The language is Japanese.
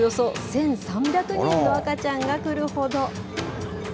毎年およそ１３００人の赤ちゃんが来るほど。